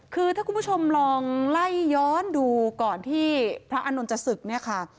คือถ้าคุณผู้ชมลองไล่ย้อนดูก่อนที่พระอานนท์จะศึกเนี่ยค่ะ